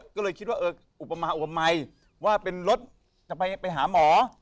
ก็เลยคิดว่าเอออุปมาอุปมัยว่าเป็นรถจะไปหาหมอ